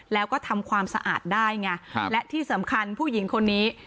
แล้วก็ทำความสะอาดได้ไงและที่สำคัญผู้หญิงคนนี้